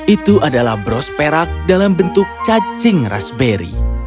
itu adalah brosperak dalam bentuk cacing raspberry